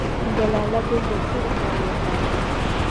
د لاله ګل د څه لپاره وکاروم؟